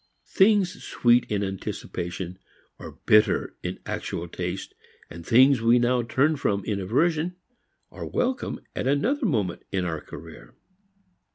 Things sweet in anticipation are bitter in actual taste, things we now turn from in aversion are welcome at another moment in our career.